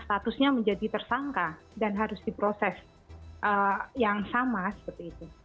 statusnya menjadi tersangka dan harus diproses yang sama seperti itu